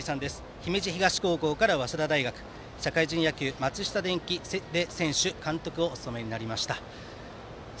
姫路東高校から早稲田大学社会人野球、松下電器で選手監督をお務めになりました。